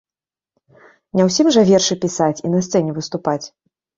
Не ўсім жа вершы пісаць і на сцэне выступаць.